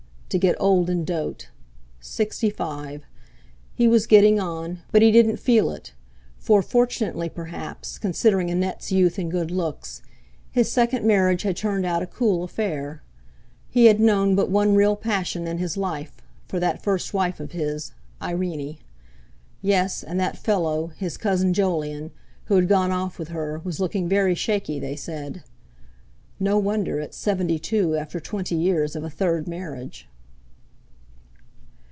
To get old and dote! Sixty five! He was getting on; but he didn't feel it, for, fortunately perhaps, considering Annette's youth and good looks, his second marriage had turned out a cool affair. He had known but one real passion in his life—for that first wife of his—Irene. Yes, and that fellow, his cousin Jolyon, who had gone off with her, was looking very shaky, they said. No wonder, at seventy two, after twenty years of a third marriage!